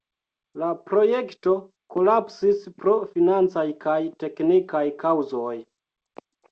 La projekto kolapsis pro financaj kaj teknikaj kaŭzoj.